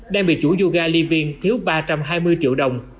đang bị chủ yoga living thiếu ba trăm hai mươi triệu đồng